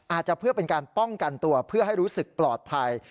อาจจะเพื่อเป็นการป้องกันตัวเพื่อให้รู้สึกปลอดภัย